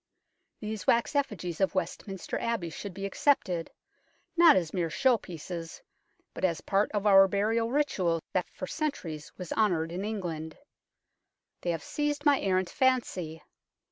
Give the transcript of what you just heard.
These wax effigies of Westminster Abbey should be accepted, not as mere show pieces, but as part of our burial ritual that for centuries was honoured in England. They have seized my errant fancy.